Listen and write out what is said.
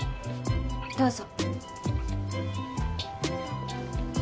どうぞ。